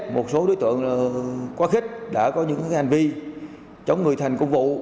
một số đối tượng quá khích đã có những hành vi chống người thành công vụ